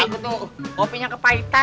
aku tuh ngopinya kepahitan